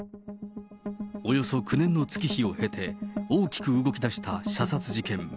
およそ９年の月日を経て、大きく動きだした射殺事件。